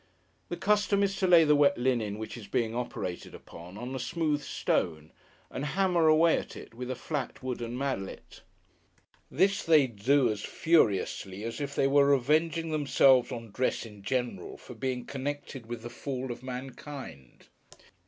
The custom is to lay the wet linen which is being operated upon, on a smooth stone, and hammer away at it, with a flat wooden mallet. This they do, as furiously as if they were revenging themselves on dress in general for being connected with the Fall of Mankind.